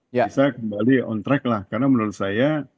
bisa kembali on track lah karena menurut saya